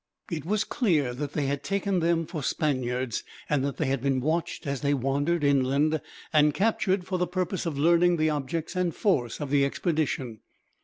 It was clear that they had taken them for Spaniards, and that they had been watched as they wandered inland, and captured for the purpose of learning the objects and force of the expedition.